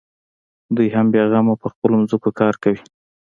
دوى هم بېغمه پر خپلو ځمکو کار کوي.